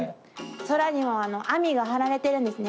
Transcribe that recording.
空にも網が張られてるんですね。